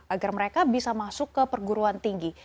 agar mereka bisa masuk ke perguruan tinggi